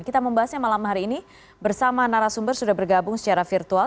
kita membahasnya malam hari ini bersama narasumber sudah bergabung secara virtual